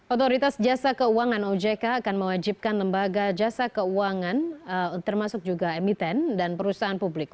otoritas jasa keuangan ojk akan mewajibkan lembaga jasa keuangan termasuk juga emiten dan perusahaan publik